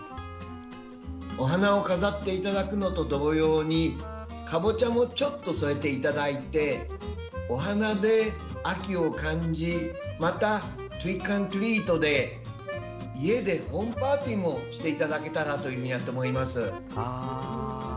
お花を飾っていただくのと同様にかぼちゃもちょっと添えていただいてお花で秋を感じまた、トリックオアトリートで家でホームパーティーもしていただけたらと思います。